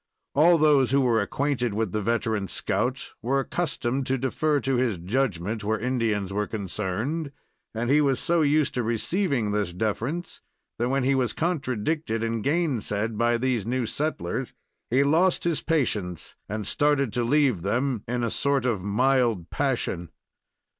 All those who were acquainted with the veteran scout were accustomed to defer to his judgment, where Indians were concerned, and he was so used to receiving this deference, that when he was contradicted and gainsayed by these new settlers, he lost his patience, and started to leave them in a sort of mild passion.